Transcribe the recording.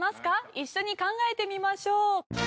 一緒に考えてみましょう。